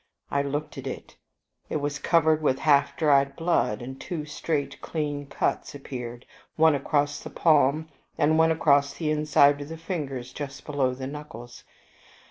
I looked at it. It was covered with half dried blood, and two straight clean cuts appeared, one across the palm and one across the inside of the fingers just below the knuckles.